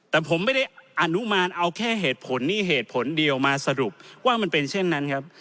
แต่ผมไม่ได้อนุมานเอาแค่เหตุผลนี้เหตุผลเดียวมาสรุปว่ามันเป็นเช่นนั้นครับ